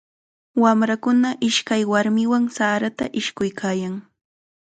Wamrakuna ishkay warmiwan sarata ishkuykaayan.